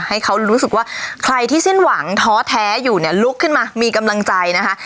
ให้เขารู้สึกว่าใครที่สิ้นหวังท้อแท้อยู่เนี่ยลุกขึ้นมามีกำลังใจนะคะ